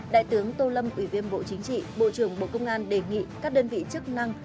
đại tướng tô lâm ủy viên bộ chính trị bộ trưởng bộ công an đề nghị các đơn vị chức năng